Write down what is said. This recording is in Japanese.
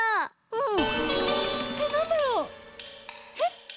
うん。